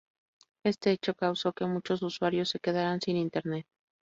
Este hecho causó que muchos usuarios se quedaran sin internet.